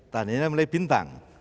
tandanya mulai bintang